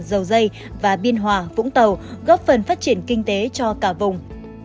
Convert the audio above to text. dầu dây và biên hòa vũng tàu góp phần phát triển kinh tế cho cả vùng